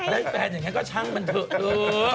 ได้แฟนอย่างนั้นก็ช่างมันเถอะ